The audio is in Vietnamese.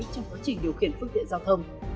trong quá trình điều khiển phương tiện giao thông